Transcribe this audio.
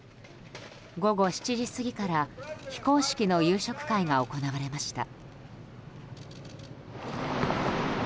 午後７時過ぎから非公式の夕食会が行われました。